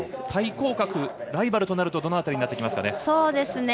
対抗格、ライバルとなるとどの辺りになりますかね。